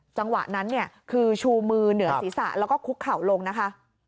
จังหวะนั้นเนี่ยคือชูมือเหนือศีรษะแล้วก็คุกเข่าลงนะคะ